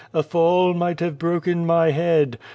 A fall might have broken my head.